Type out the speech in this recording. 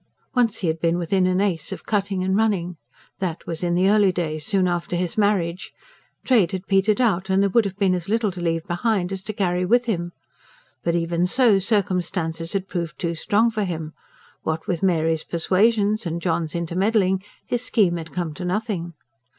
Once he had been within an ace of cutting and running. That was in the early days, soon after his marriage. Trade had petered out; and there would have been as little to leave behind as to carry with him. But, even so, circumstances had proved too strong for him: what with Mary's persuasions and John's intermeddling, his scheme had come to nothing.